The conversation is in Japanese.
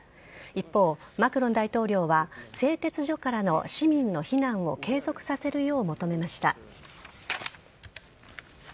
一方、マクロン大統領は製鉄所からの市民の避難を継続させるよう求めました。